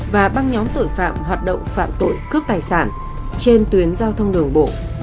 và băng nhóm tội phạm hoạt động phạm tội cướp tài sản trên tuyến giao thông đường bộ